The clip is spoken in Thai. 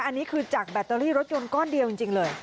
อันนี้คือจากแบตเตอรี่รถยนต์ก้อนเดียวจริงเลย